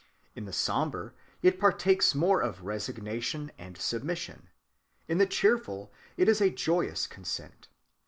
In the sombre it partakes more of resignation and submission; in the cheerful it is a joyous consent.